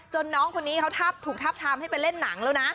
น้องคนนี้เขาถูกทับทามให้ไปเล่นหนังแล้วนะ